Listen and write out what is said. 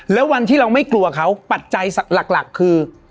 แล้ววันที่เราไม่กลัวเขาปัจจัยหลักคือ